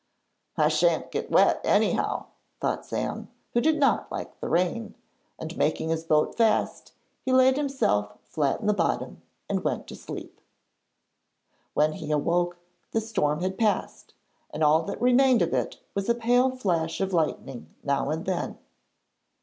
'I shan't get wet, anyhow,' thought Sam, who did not like rain, and, making his boat fast, he laid himself flat in the bottom and went to sleep. When he awoke the storm had passed, and all that remained of it was a pale flash of lightning now and then.